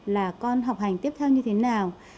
là con học hành tiếp theo như thế nào